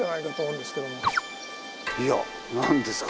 いや何ですか？